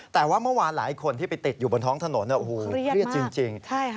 แต่ว่าเมื่อวานหลายคนที่ไปติดอยู่บนท้องถนนโอ้โหเครียดจริง